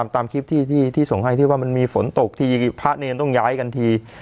ตามคลิปที่ส่งให้ที่ว่ามันมีฝนตกทีพระเนรต้องย้ายกันที